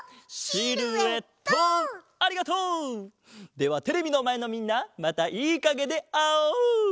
ではテレビのまえのみんなまたいいかげであおう！